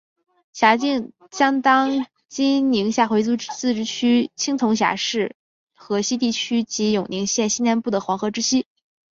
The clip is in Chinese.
辖境相当今宁夏回族自治区青铜峡市河西地区及永宁县西南部黄河之西。